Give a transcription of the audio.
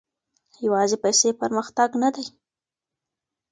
يوازي پيسې پرمختګ نه دی.